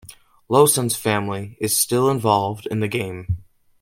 Lowson's family is still involved in the game.